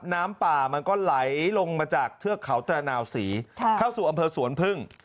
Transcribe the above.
น้ำป่ามันก็ไหลลงมาจากเทือกเขาตระนาวศรีเข้าสู่อำเภอสวนพึ่ง